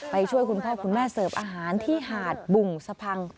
ช่วยคุณพ่อคุณแม่เสิร์ฟอาหารที่หาดบุ่งสะพัง